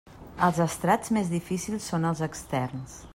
Els estrats més difícils són els externs.